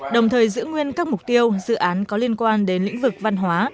đồng thời giữ nguyên các mục tiêu dự án có liên quan đến lĩnh vực văn hóa